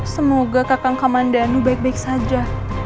semoga kakak kamandanu baik baik saja